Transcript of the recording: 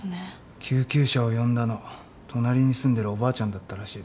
救急車を呼んだの隣に住んでるおばあちゃんだったらしいです。